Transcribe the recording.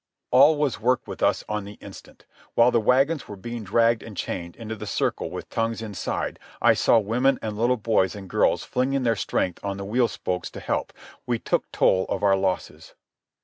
All was work with us on the instant. While the wagons were being dragged and chained into the circle with tongues inside—I saw women and little boys and girls flinging their strength on the wheel spokes to help—we took toll of our losses.